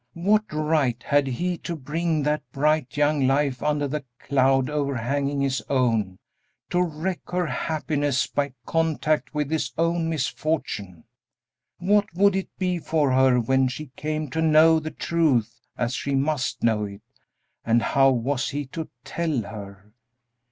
What right had he to bring that bright young life under the cloud overhanging his own, to wreck her happiness by contact with his own misfortune! What would it be for her when she came to know the truth, as she must know it; and how was he to tell her?